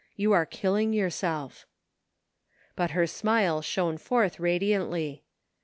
You are killing yourself." But her smile shone forth radiantly.